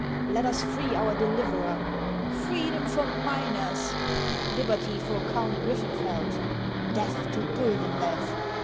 " Let us free our Deliverer !"" Free dom for Miners !"" Liberty for Count Griffeufeld !"" Death to Guldenlew !